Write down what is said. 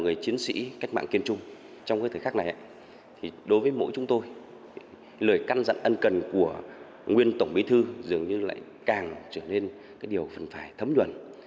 người chiến sĩ cách mạng kiên trung trong thời khắc này đối với mỗi chúng tôi lời căn dặn ân cần của nguyên tổng bí thư dường như lại càng trở nên điều phần phải thấm nhuận